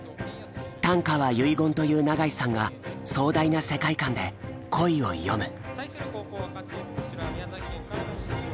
短歌は遺言という永井さんが壮大な世界観で恋を詠む。